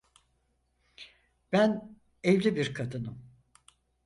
Ben evli bir kadınım.